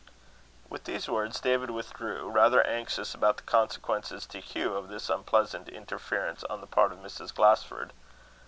With these words David withdrew, rather anxious about the consequences to Hugh of this unpleasant interference on the part of Mrs. Glasford.